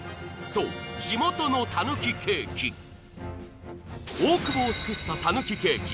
そう地元のたぬきケーキ大久保を救ったたぬきケーキ